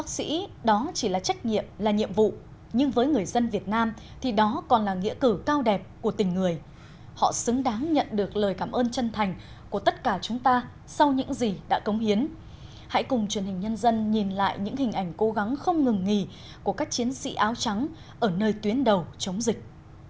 sau những gì đã công hiến hãy cùng truyền hình nhân dân nhìn lại những hình ảnh cố gắng không ngừng nghỉ của các chiến sĩ áo trắng ở nơi tuyến đầu chống dịch